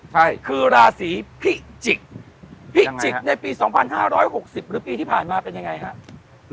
ใช่คือราศีพิจิกพิจิกในปีสองพันห้าร้อยหกสิบหรือปีที่ผ่านมาเป็นยังไงฮะ